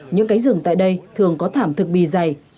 những cánh rừng tại đây thường có thảm thực bì dày